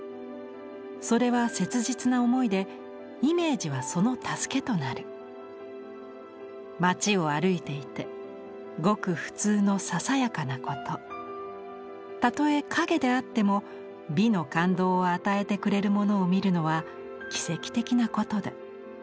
それは切実な思いでイメージはその助けとなる街を歩いていてごく普通のささやかなことたとえ影であっても美の感動を与えてくれるものを見るのは奇跡的なことだ。